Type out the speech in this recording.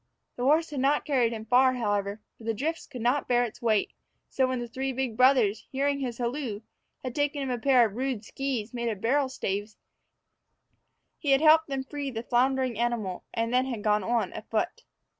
The horse had not carried him far, however, for the drifts would not bear its weight; so, when the three big brothers, hearing his halloo, had taken him a pair of rude skees made of barrel staves, he had helped them free the floundering animal, and had then gone on afoot.